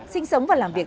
sinh sống và làm việc